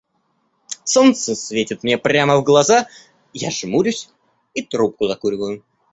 Солнце светит мне прямо в глаза, я жмурюсь и трубку закуриваю.